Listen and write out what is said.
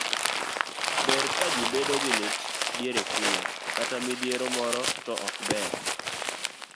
ber ka ji bedo gi lit diere kuyo kata midhiero moro to ok ber